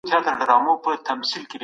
د رایې ورکولو مرکزونه باید خوندي وي.